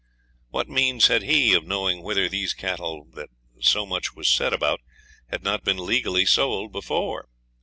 What means had he of knowing whether these cattle that so much was said about had not been legally sold before?